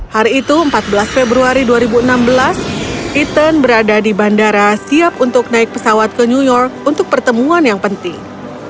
hari itu empat belas februari dua ribu enam belas ethan berada di bandara siap untuk naik pesawat ke new york untuk pertemuan yang penting